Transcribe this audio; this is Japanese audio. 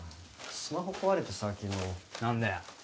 スマホ壊れてさ昨日何で？